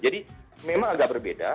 jadi memang agak berbeda